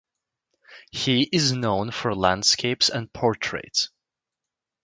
He is known for landscapes and portraits.